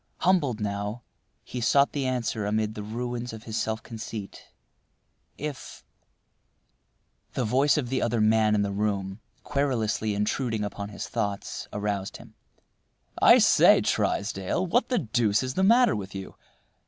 Humbled now, he sought the answer amid the ruins of his self conceit. If— The voice of the other man in the room, querulously intruding upon his thoughts, aroused him. "I say, Trysdale, what the deuce is the matter with you?